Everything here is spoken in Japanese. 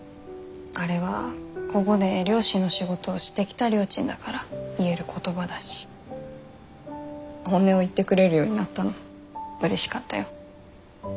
あれはここで漁師の仕事をしてきたりょーちんだから言える言葉だし本音を言ってくれるようになったのもうれしかったよ。